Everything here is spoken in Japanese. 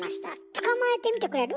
捕まえてみてくれる？